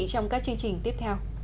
trong các chương trình tiếp theo